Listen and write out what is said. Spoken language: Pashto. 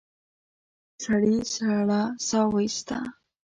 سړي سړه سا ويسته.